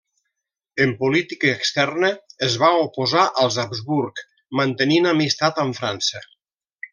En política externa es va oposar als Habsburg, mantenint amistat amb França.